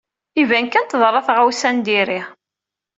Iban kan teḍra tɣawsa n diri.